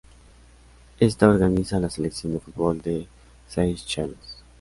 Esta organiza la selección de fútbol de Seychelles.